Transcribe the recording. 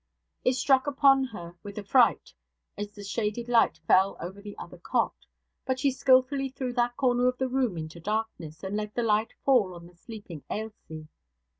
It struck upon her with affright as the shaded light fell over the other cot; but she skilfully threw that corner of the room into darkness, and let the light fall on the sleeping Ailsie.